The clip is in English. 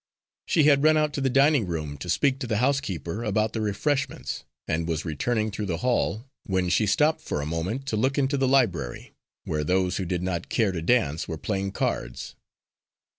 She had run out to the dining room to speak to the housekeeper about the refreshments, and was returning through the hall, when she stopped for a moment to look into the library, where those who did not care to dance were playing cards.